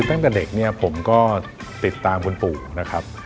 ตั้งแต่เด็กเนี่ยผมก็ติดตามคุณปู่นะครับ